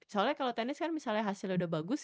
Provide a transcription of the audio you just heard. soalnya kalo tenis kan misalnya hasilnya udah bagus